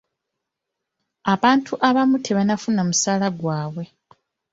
Abantu abamu tebannafuna musaala gwabwe.